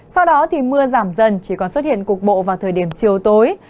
sau đó thì mưa giảm dần chỉ còn xuất hiện cục bộ vào thời điểm chiều tối